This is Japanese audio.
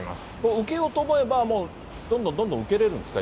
受けようと思えば、もうどんどんどんどん受けれるんですか？